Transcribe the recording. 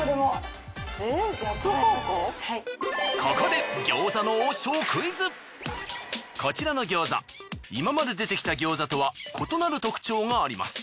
ここでこちらの餃子今まで出てきた餃子とは異なる特徴があります。